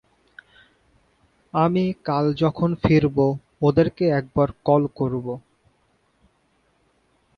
আমি কাল যখন ফিরবো ওদেরকে একবার কল করবো।